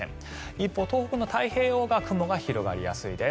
一方、東北の太平洋側は雲が広がりやすいです。